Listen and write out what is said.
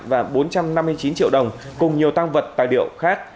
và bốn trăm năm mươi chín triệu đồng cùng nhiều tăng vật tài liệu khác